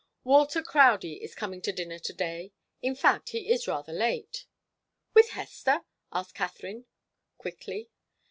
Walter Crowdie is coming to dinner to day. In fact, he is rather late " "With Hester?" asked Katharine, quickly.